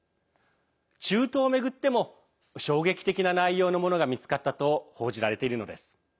中東を巡っても、衝撃的な内容のものが見つかったと報じられています。